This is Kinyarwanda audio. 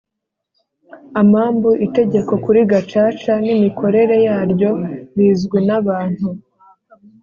Amambu Itegeko Kuri Gacaca N Imikorere Yaryo Bizwi N Abantu